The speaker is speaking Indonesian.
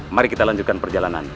mari kita lanjutkan perjalanan